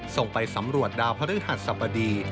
ส่งไปสำรวจดาวพระฤหัสสบดี